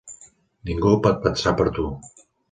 Ningú pot pensar per tu.